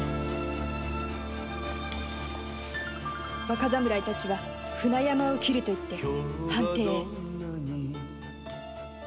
若侍たちは船山を切ると言って藩邸へ。